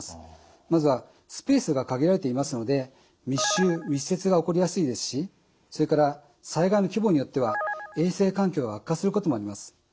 まずはスペースが限られていますので密集・密接が起こりやすいですしそれから災害の規模によっては衛生環境が悪化することもあります。